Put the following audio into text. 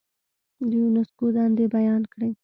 د یونسکو دندې بیان کړئ.